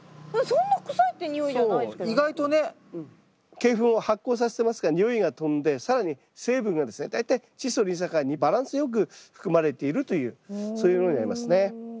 鶏ふんを発酵させてますから臭いがとんで更に成分がですね大体チッ素リン酸カリにバランスよく含まれているというそういうものになりますね。